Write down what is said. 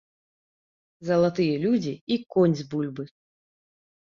Залатыя людзі і конь з бульбы.